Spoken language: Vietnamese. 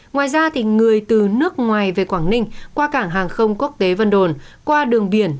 ngoài ra người từ nước ngoài về quảng ninh qua cảng hàng không quốc tế vân đồn qua đường biển